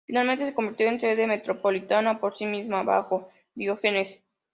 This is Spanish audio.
Finalmente se convirtió en sede metropolitana por sí misma bajo Diógenes.